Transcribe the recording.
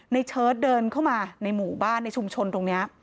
เชิดเดินเข้ามาในหมู่บ้านในชุมชนตรงนี้